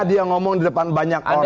dia ngomong di depan banyak orang